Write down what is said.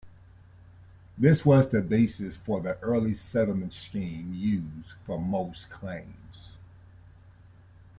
This was the basis for the Early Settlement Scheme used for most claims.